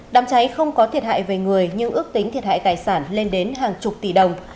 đám cháy không có thiệt hại về người nhưng ước tính thiệt hại tài sản lên đến hàng chục tỷ đồng